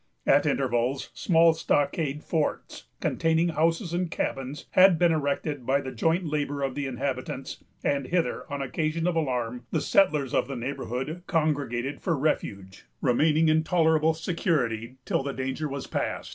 At intervals, small stockade forts, containing houses and cabins, had been erected by the joint labor of the inhabitants; and hither, on occasion of alarm, the settlers of the neighborhood congregated for refuge, remaining in tolerable security till the danger was past.